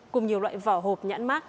cùng nhiều loại vỏ hộp nhãn mát